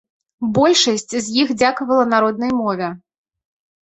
Большасць з іх дзякавала на роднай мове.